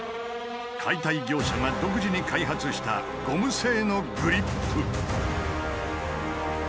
解体業者が独自に開発したゴム製のグリップ。